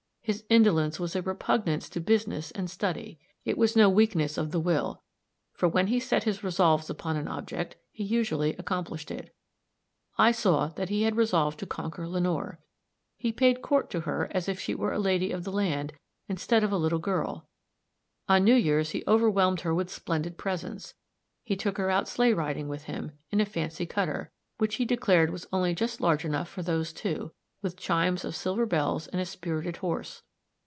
His indolence was a repugnance to business and study; it was no weakness of the will, for when he set his resolves upon an object, he usually accomplished it. I saw that he had resolved to conquer Lenore. He paid court to her as if she were a "lady of the land," instead of a little girl; on New Year's he overwhelmed her with splendid presents; he took her out sleigh riding with him, in a fancy cutter, which he declared was only just large enough for those two, with chimes of silver bells and a spirited horse.